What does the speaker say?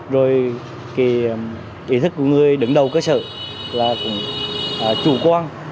rồi ý thức của người đứng đầu cơ sở là chủ quan